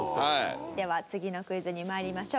では次のクイズに参りましょう。